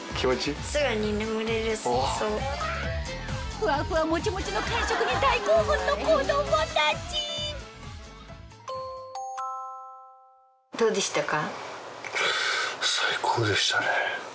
ふわふわもちもちの感触に大興奮の子供たちどうでしたか？